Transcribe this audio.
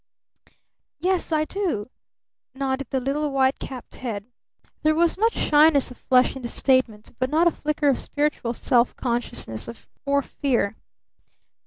"Yes I do," nodded the little white capped head. There was much shyness of flesh in the statement, but not a flicker of spiritual self consciousness or fear.